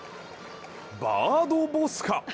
バードボスか。